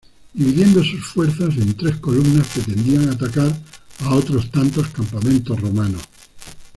Dividiendo sus fuerzas en tres columnas pretendían atacar a otros tantos campamentos romanos.